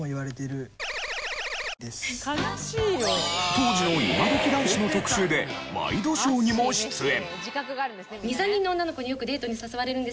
当時の今どき男子の特集でワイドショーにも出演。